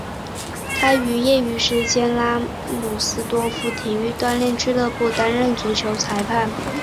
他于业余时间在拉姆斯多夫体育锻炼俱乐部担当足球裁判。